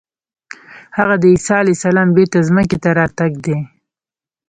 هغه د عیسی علیه السلام بېرته ځمکې ته راتګ دی.